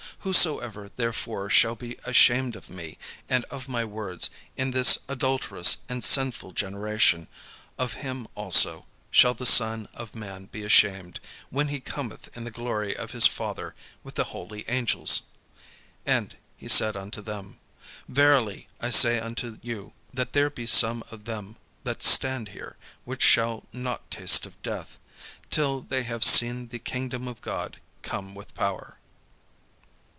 Whosoever therefore shall be ashamed of me and of my words in this adulterous and sinful generation; of him also shall the Son of man be ashamed, when he cometh in the glory of his Father with the holy angels." And he said unto them: "Verily I say unto you. That there be some of them that stand here, which shall not taste of death, till they have seen the kingdom of God come with power."